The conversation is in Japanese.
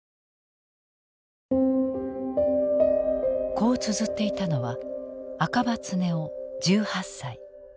こう綴っていたのは赤羽恒男１８歳。